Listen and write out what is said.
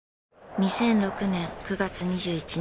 ２００６年９月２１日